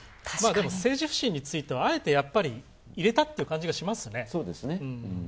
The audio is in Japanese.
政治不信については、あえて入れたっていう感じがしますね。